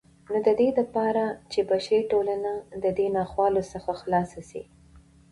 نو ددې دپاره چې بشري ټولنه ددې ناخوالو څخه خلاصه سي